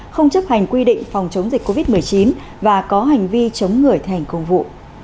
không chấp hành quy định phòng chống dịch covid một mươi chín và có hành vi chống người thi hành công vụ